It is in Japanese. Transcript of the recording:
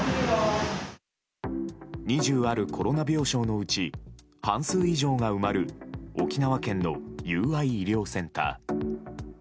２０あるコロナ病床のうち半数以上が埋まる沖縄県の友愛医療センター。